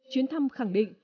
chuyến thăm khẳng định